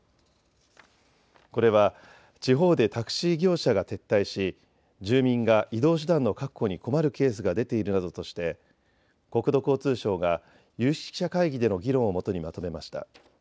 これは地方でタクシー業者が撤退し住民が移動手段の確保に困るケースが出ているなどとして国土交通省が有識者会議での議論をもとにまとめました。